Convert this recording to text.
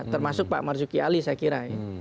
termasuk pak marus giyali saya kira